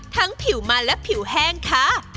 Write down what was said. ผิวมันและผิวแห้งค่ะ